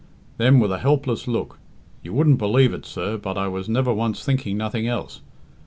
Then, with a helpless look, "You wouldn't believe it, sir, but I was never once thinking nothing else.